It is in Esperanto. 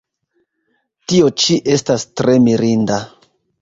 Tio ĉi estas tre mirinda!